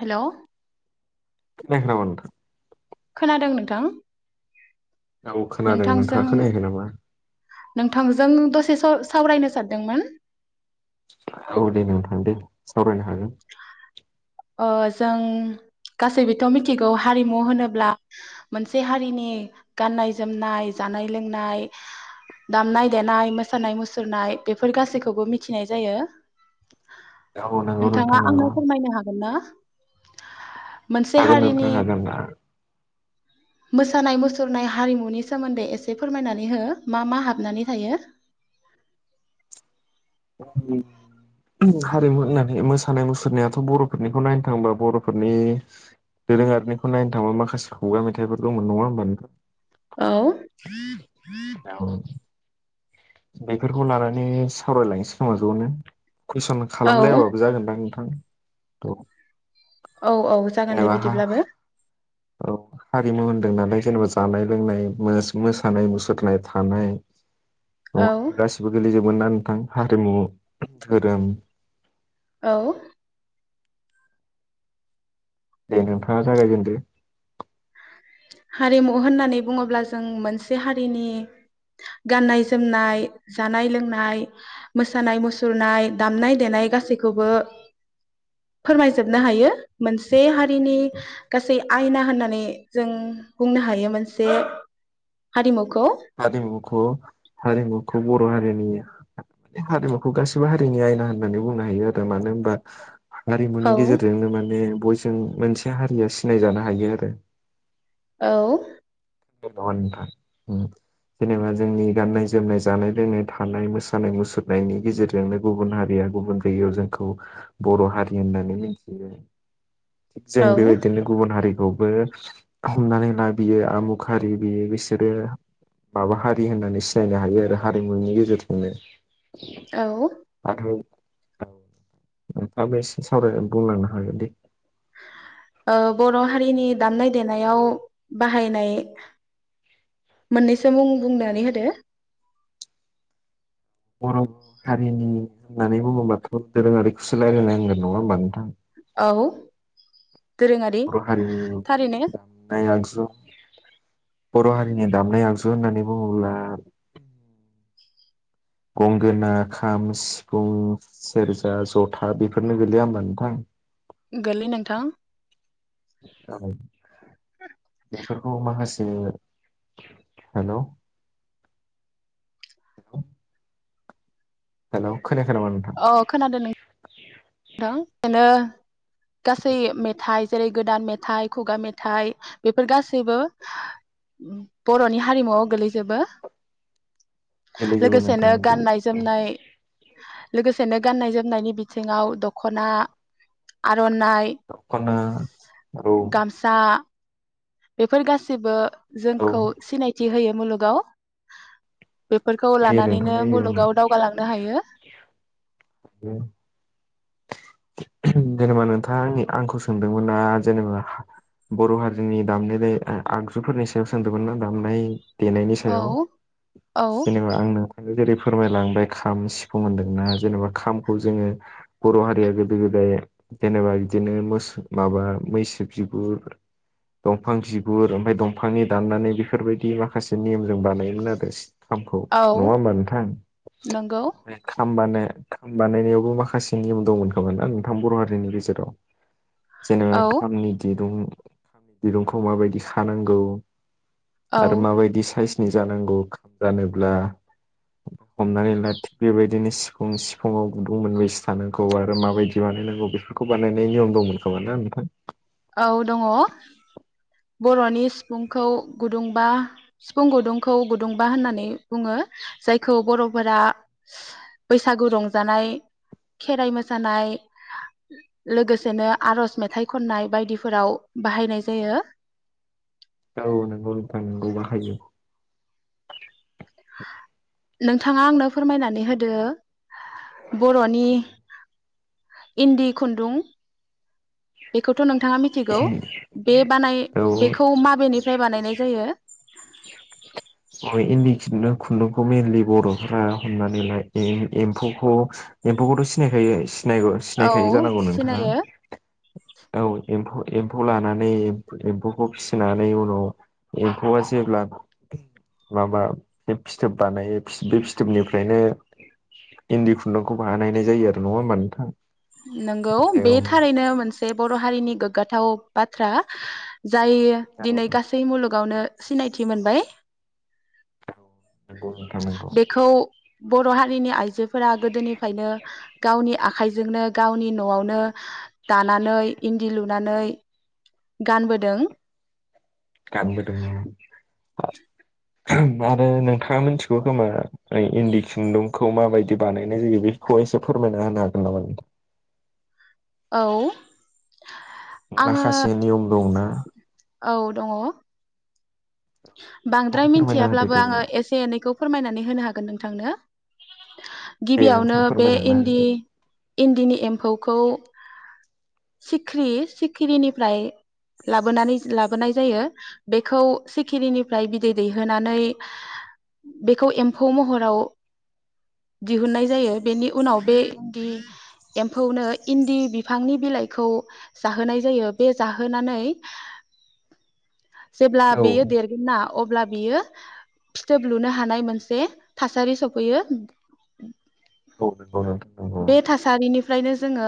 हेल खोनायाखै नामा नोंथां खोनादों नोंथां औ खोनादों नोंथांजों नोंथाङा खोनायाखै नामा? नोंथांजों दसे साव सावरायनो सानदोंमोन औ दे नोंथां दे सावरायनो हागोन ओ जों गासैबोथ मिथिगौ हारिमु होनोब्ला मोनसे हारिनि गाननाय जोमनाय जानाय लोंनाय दामनाय देनाय मोसानाय मुसुरनाय बेफोर गासैखौबो मिथिनाय जायो औ नंगौ नोंथां नोंथाङा आंनो नंगौ फोरमायनो हागोन ना मोनसे हागोन नोंथां हारिनि हागोन मोसानाय मुसुरनाय हारिमुनि सोमोन्दै एसे फोरमायनानै हो मा मा हाबनानै थायो उम हारिमु होननानै मोसानाय मुसुरनायाथ बरफोरनिखौ नायनो थांबा बरफोरनि दोरोङारिनिखौ नायनो थांबा माखासे खुगा मेथाइफोर दंमोन नङा होमब नोंथां औ औ बेफोरखौ लानानै सावरायलायनोसै खोमा जनो कुइसन औ खालामलायाबाबो जागोनदां नोंथां [unintelligible] औ औ जागोन दे जेनेबा बिदिब्लाबो मु होनदों नालाय जेनेबा जानाय लोंनाय मोसानाय मुसुरनाय थानाय नङा औ होनोमा गासिबो गोलैजोबगोन ना थां हारिमु धोरोम औ दे नोंथाङा जागायजेनदो हारिमु होननानै बुङोब्ला जों मोनसे हारिनि गाननाय जोमनाय जानाय लोंनाय मोसानाय मुसुरनाय दामनाय देनाय गासैखौबो फोरमायजोबनो हायो मोनसे हारिनि गासै आयना होननानै जों बुंनो हायो मोनसे हारिमु हारिमुखौ हारिमुखौ बर हारिनि हारिमुखौ गाससिबो हारिनि आयना होननानै बुंनो हायो आरो मानो होनबा औ हारिमुनि गेजेरजोंनो माने बय जों मोनसे हारिया सिनाय जानो हायो आरो औ नंगौ नोंथां उम जेनेबा जोंनि गाननाय जोमनाय जानाय लोंनाय थानाय मोसानाय मुसुरनायनि गेजेरजोंनो गुबुन हारिया गुबुन जायगायाव जोंखौ बर हारि होननानै मिथियो थिग जों औ बेबायदिनो गुबुन हारि थवबो हमनानै ला बियो आमुख हारि बेयो बिसोरो माबा हारि होननानै सिनायनो हायो आरो हारिमुनि गेजेरजों नो औ । बाथौ औ नोंथाङाबो एसे सावराय बुंलांनो हागोन दे । ओ बर' हारिनि दामनाय देनायाव बाहायनाय मोननैसो मुं बुंनानै होदो । बर हारिनि होननानै बुङोब्लाथ दोरोङारिखौसो रायलायनांगोन नङा होमबा नोंथां औ दोरोङारि बर' हारिनि थारैनो । दामनाय आगजु बर' हारिनि दामनाय आगस होननानै बुङोब्ला गंगोना, खाम, सिफुं, सेरजा, जथा बेफोरनो गोलैया होमबा नोंथां । गोलै नोंथां । औ बेफोरखौ माखासे हेलै [inaudible] हेलौ खोनायाखै नामा नोंथां । थां ओ ओ । गासै मेथाइ जेरै गोदान मेथाइ, खुगा मेथाइ बेफोर गासैबो बर' नि हारिमुआव गोलैजोबो गोरलै जेबो नोंथां लोगोसेनो गाननाय जोमनाय लोगोसेनो गाननाय जोमनायनि बिथिङाव दखना आर आरनाय खना औ गामसा बेफोर गासैबो औ जोंखौ सिनायथि होयो मुलुगाव बेफोरखौ होयो नोंथां लानानैनो होयो मुलुगाव औ। दावगालांनो हायो । उम जेनेबा नोंथाङानि आंखौ सोंदोंमोन ना जेनेबा बर' हारिजोंनि दामनाय दे आगजुफोरनि सायाव सोंदोंमोन ना दामनाय देनायनि औ सायाव औ जेनेबा आं नोंथांनि जेरै फोरमायलांबाय खाम, सिफुं होनदोंना जेनेबा खामखौ जोङो बर' हारिया गोदो गोदाय जेनेबा बिदिनो मोसौ माबा मैसो बिगुर दंफां बिगुर ओमफाय दंफांनि दाननानै बेफोरबायदि माखासे नेमजों बानायोमोन आरो खामखौ नङा औ होमबा नोंथां नंगौ बे खामबानय खाम बानायनायावबो माखासे नियम दंमोन खोमा ना नोंथां बर हारिनि गेजेराव जोङो औ खामनिदि दरुं खामनि दिरुंखौ माबायदि खानांगौ औ आरो माबायदि साइस जानांगौ जानोब्ला हमनानैला थिग बेबादिनो सिफुं फुङाव गुदुं मोनबेसे थानांगौ आरो माबायदि बानायनांगौ बेफोरखौ बानायनाय नियम दंमोन खोमा ना नोंथां। औ दङ बर'नि सिफुंखौ गुदुंबा सिफुं गुदुंखौ गुदुंबा होननानै बुङो जायखौ बर'फोरा बैसागु रंजानाय खेराइ मोसानाय लोगोसेनो आरज मेथाइ खननाय बायदिफोराव। बाहायनाय जायो। औ नंगौ नोथां नंगौ बाहायो। नोंथाङा आंनो फोरमायनानै होदो। बर'नि। इन्दि खुन्दुं। बेखौथ नोंथाङा मिथिगौ बे बानाय औ बेखौ माबेनि फ्राय बानायनाय जायो। अ इन्दि खुन्दुं खुन्दुंखौ मेइनलि बर'फोरा हमनानैला ए-एम्फौखौ एम्फौखौथ सिनायखायो। सिनायगौ औ सिनायखायो जानांगौ नोंथाङा? सिनायो औ एम्फौ एम्फौ लानानै एम्फौ एम्फौखौ फिसिनानै उनाव एम्फौआ जेब्ला माबा बे फिथोब बानायो बे फिथोबनिफ्रायनो इन्दि खुन्दुंखौ बानायनाय जायो आरो नङा होमबा नोंथां? नंगौ बे थारैनो मोन बर' हारिनि गोगाथाव बाथ्रा। जायो दिनै औ गासै मुलुगावनो। सिनायथि मोनबाय। नंगौ नोंथां नंगौ बेखौ बर' हा [unintelligible] जो फोरा गोदोनिफायनो गावनि आ खायजोंनो। गावनि नआवनो। दानानै इन्दि लु नानै गानबोदों। गानबोदों। [unintelligible] नोंथाङा मिथिगौ खोमा इन्दि खुन्दुंखौ माबायदि बानायनाय जायो बेखौहाय एसे फोरमायना होनो हागोन नामा नोंथां। औ। आङो माखासे नियम दंना? औ दङ बेखौनो बांद्राय फोरमायना होदो मिथियाब्लाबो दे आङो नोंथां। एसे एनैखौ फोरमायनानै होनो हागोन नोंथांनो। दे गिबियावनो नोंथां बे फोरमायलांना होदो इन्दि दे। इन्दिनि एम्फौखौ। सिख्रि सिखिरिनिफ्राय लाबोनानै लाबोनाय जायो बेखौ सिखिरिनिफ्राय बिदै दैहोनानै बेखौ एम्फौ महराव दिहुननाय जायो बेनि उनाव बे दि एम्फौनो इन्दि बिफांनि बिलाइखौ जाहोनाय जायो बे जाहोनानै जेब्ला औ बेयो देरगोनना? अब्ला बियो फिथोब लुनो हानाय मोनसे थासारि सफैयो। औ नंगौ नोंथां नंगौ। फ्रायनो जोङो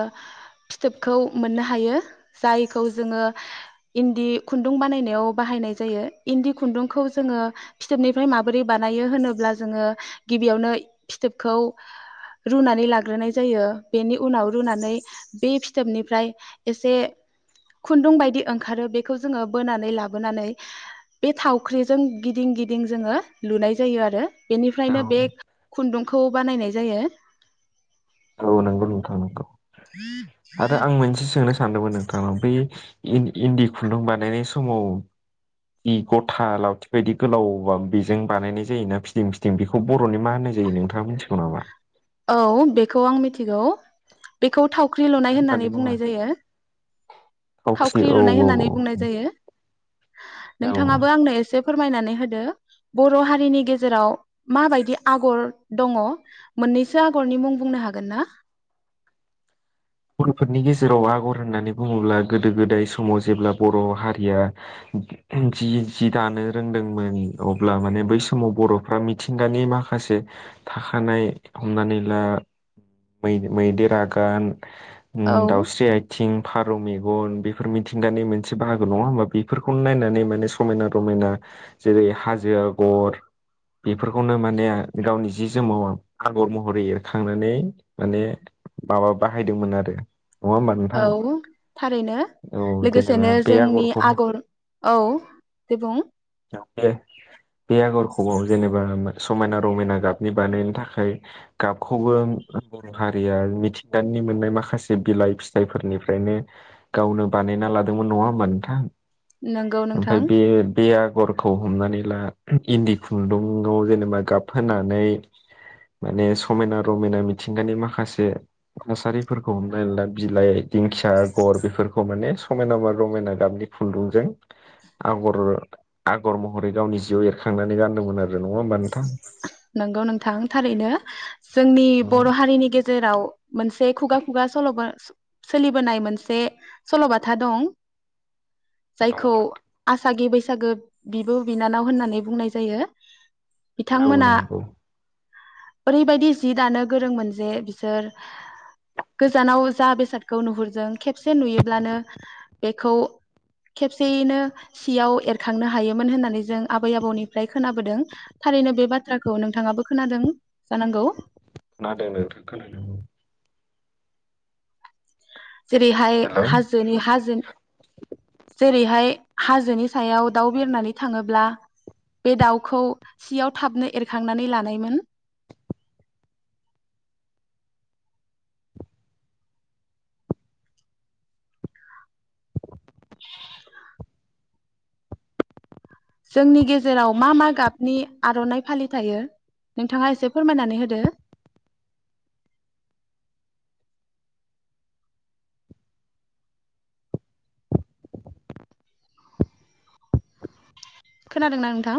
फिथोबखौ मोननो हायो जायखौ जोङो इन्दि खुन्दुं बानायनायाव बाहायनाय। जायो इन्दि खुन्दुंखौ जोङो फिथोबनिफ्राय माबोरै बानायो होनोब्ला जोङो गिबियावनो फिथोबखौ रुनानै लाग्रोनाय जायो बेनि उनाव रुनानै बे फिथोबनिफ्राय एसे खुन्दुं बायदि ओंखारो बेखौ जोङो बोनानै लाबोनानै बे थावख्रिजों गिदिं गिदिं जोङो लुनाय जायो आरो बेनिफ्रायनो औ बे खुन्दुंखौ बानायनाय जायो। नोंगौ नोंथां नंगौ। आरो आं मोनसे सोंनो [unintelligible] सानदोंमोन नोंथां बै इन्दि खुन्दुं बानायनाय समाव जि गथा लावथि बायदि गोलावा बेजों बानायनाय जायोना फिदिं फिदिं बेखौ बर'नि मा होननाय जायो नोंथाङा मिथिगौ नामा? औ बेखौ आं मिथिगौ बेखौ थाव ख्रि मा लुनाय होननानै बुङो बुंनाय जायो थावख्रि औ लुनाय औ होननानै बुंनाय जायो औ औ नोंथाङाबो आंनो एसे फोरमायनानै होदो बर' हारिनि गेजेराव माबायदि आगर दङ। मोननैसो आगरनि मुं बुंनो हागोन ना? बर'फोरनि गेजेराव आगर होननानै बुङोब्ला गोदो गोदाय समाव जेब्ला बर' हारिया जि जि दानो रोंदोंमोन अब्ला माने बै समाव बर'फ्रा मिथिंगानि माखासे थाखानाय हमनानैला मैदेर आगान [inaudible] उम औ दाउस्रि आइथिं फारौ मेगन बेफोर मिथिंगानि मोनसे बाहागो नङा होमबा बेफोरखौनो नायनानै माने समायना रमायना जेरै हाजो आगर बेफोरखौनो माने गावनि जि जोमाव आगर महरै एरखांनानै माने माबा बाहायदोंमोन आरो। होमबा नोंथां औ थारैनो औ लोगोसेनो जेनेबा बे जोंनि आगरखौ आगर औ दे बुं। ए बे आगरखौ जेनेबा समायना रमायना गाबनि बानायनो थाखाय गाबखौबो बर' हारिया मिथि दाननि मोननाय माखासे बिलाइ फिथाइफोरनिफ्रायनो गावनो बानायना लादोंमोन नङा होमबा नोंथां। नंगौ नोंथां ओमफ्राय बे बे आगरखौ हमनानै ला इन्दि खुन्दुआव जेनेबा गाब होनानै माने समायना रमायना मिथिंगानि माखासे थासारिफोरखौ हमनानै ला बिलाइ दिंखिया आगर बेफोरखौ माने समायना मा रमायना गाबनि खुन्दुंजों आगर आगर महरै गावनि जिउआव एरखांनानै गानदोंमोन आरो नङा होमबा नोंथां? नोंगौ नोंथां थारैनो जोंनि बर' हारिनि गेजेराव मोनसे खुगा खुगा सल' सोलिबोनाय मोनसे सल'बाथा दं। जायखौ आसागि बैसागि बैसागो बिब' बिनानाव होननानै बुंनाय जायो। औ बिथांमोना नोंगौ। ओरैबायदि जि दानो गोरोंमोन जे बिसोर गोजानाव जा बेसादखौ नुहुरदों खेबसे नुयोब्लानो बेखौ खेबसेयैनो सियाव एरखांनो हायोमोन होननानै जों आबै आबौनिफ्राय खोनाबोदों। थारैनो बे बाथ्राखौ नोंथाङाबो खोनादों जानांगौ। खोनादों नोंथां खोनादों। जेरैहाय हेलौ हाजोनि हाजो जेरैहाय हाजोनि सायाव दाउ बिरनानै थाङोब्ला बे दाउखौ सियाव थाबनो एरखांनानै लानायमोन। जोंनि गेजेराव मा मा गाबनि आरनाइ फालि थायो नोंथाङा एसे फोरमायनानै होदो। खोनादोंना नोंथां?